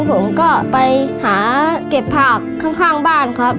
ผมก็ไปหาเก็บผักข้างบ้านครับ